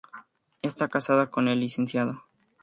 Está casada con el Lic.